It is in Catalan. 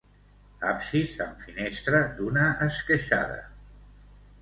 Absis amb finestra d'una esqueixada.